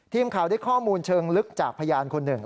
ทีมข่าวได้ข้อมูลเชิงลึกจากพยานคนหนึ่ง